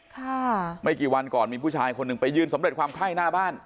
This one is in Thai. ค่ะไม่กี่วันก่อนมีผู้ชายคนหนึ่งไปยืนสำเร็จความไข้หน้าบ้าน